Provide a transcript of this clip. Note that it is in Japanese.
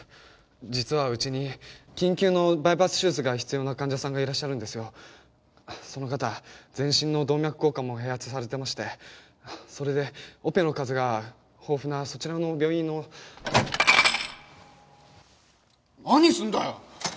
実はウチに緊急のバイパス手術が必要な患者さんがいるんですがその方全身の動脈硬化も併発してましてそれでオペの数が豊富なそちらの病院の何するんだよ！